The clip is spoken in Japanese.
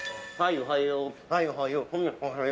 おはよう。